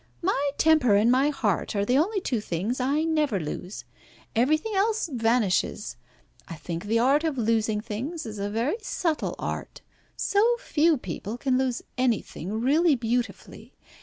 "My temper and my heart are the only two things I never lose! Everything else vanishes. I think the art of losing things is a very subtle art. So few people can lose anything really beautifully.